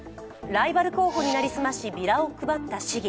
ライバル候補に成り済ましビラを配った市議。